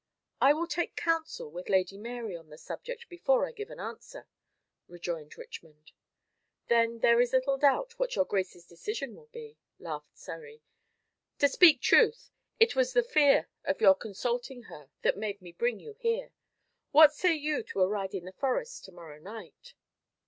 "I will take counsel with Lady Mary on the subject before I give an answer," rejoined Richmond. "Then there is little doubt what your grace's decision will be," laughed Surrey. "To speak truth, it was the fear of your consulting her that made me bring you here. What say you to a ride in the forest to morrow night?"